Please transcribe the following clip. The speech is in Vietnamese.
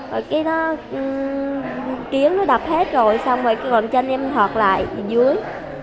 rồi cái đó tiếng nó đập hết rồi xong rồi cái gọn chân em thọt lại dưới